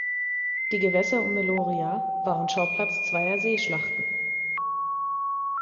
Die Gewässer um Meloria waren Schauplatz zweier Seeschlachten.